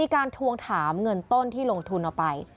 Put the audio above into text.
ทวงถามเงินต้นที่ลงทุนเอาไป